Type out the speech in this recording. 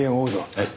はい。